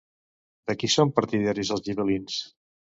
De qui són partidaris els gibel·lins?